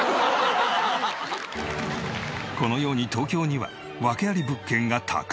このように東京には訳あり物件がたくさん。